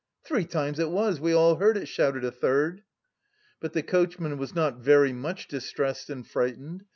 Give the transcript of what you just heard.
"Three times it was, we all heard it," shouted a third. But the coachman was not very much distressed and frightened.